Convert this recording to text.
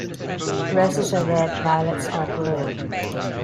Roses are red, violets are blue.